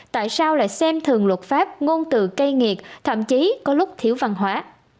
tại sao lại xem thường luật pháp ngôn từ cây nghiệt thậm chí có lúc thiếu văn hóa